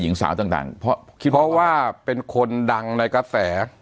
หญิงสาวต่างเพราะคิดเพราะว่าเป็นคนดังในกระแส